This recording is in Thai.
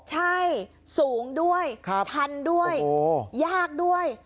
ใช่สูงด้วยชันด้วยยากด้วย